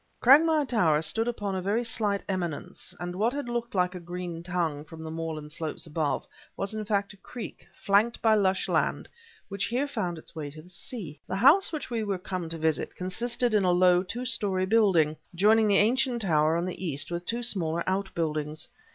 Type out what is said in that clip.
Cragmire Tower stood upon a very slight eminence, and what had looked like a green tongue, from the moorland slopes above, was in fact a creek, flanked by lush land, which here found its way to the sea. The house which we were come to visit consisted in a low, two story building, joining the ancient tower on the east with two smaller outbuildings.